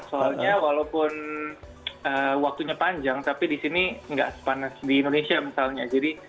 soalnya walaupun waktunya panjang tapi di sini nggak sepanas di indonesia misalnya